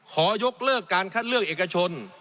ขอยกเลิกการคัดเลือกเอกชน